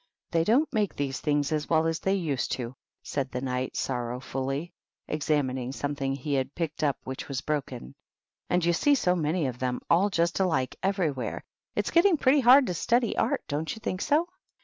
" They don't make these things as well as they used to," said the Knight, sorrowfully, examining something he had picked up which was broken ; "and you see so many of them, all just alike, everywhere. It's getting pretty hard to study Art, don't you think so